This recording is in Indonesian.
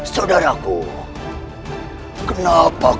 saudaraku kenapa kamu tiba tiba membentakku